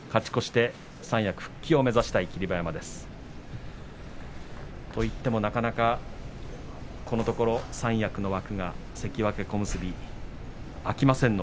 三役復帰を目指したい霧馬山。といってもなかなか、このところ三役の枠は関脇、小結空きません。